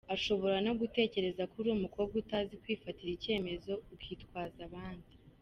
Ashobora no gutekereza ko uri umukobwa utazi kwifatira icyemezo ukitwaza abandi.